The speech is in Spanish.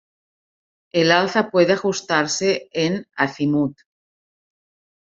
El alza puede ajustarse en acimut.